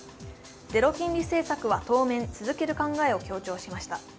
ゼロ金利政策は当面続ける考えを強調しました。